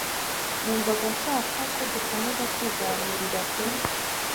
numvaga nshaka ko dukomeza kwiganirira pe